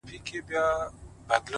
د پوهې تنده انسان مخته بیايي،